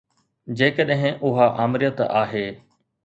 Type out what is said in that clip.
جيڪڏهن اها آمريت آهي.